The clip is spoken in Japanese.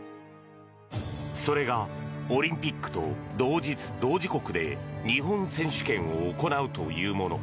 それがオリンピックと同日・同時刻で日本選手権を行うというもの。